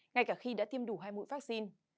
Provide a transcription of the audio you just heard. ngay cả khi đã tiêm đủ hai mũi vaccine